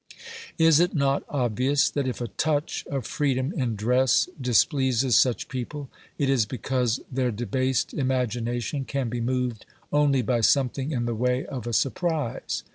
Is it not obvious that if a touch of freedom in dress displeases such people, it is because their debased imagi nation can be moved only by something in the way of a surprise?